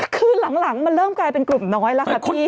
คือหลังมันเริ่มกลายเป็นกลุ่มน้อยแล้วค่ะพี่